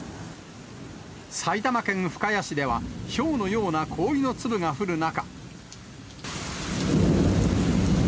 埼玉県深谷市では、ひょうのような氷の粒が降る中。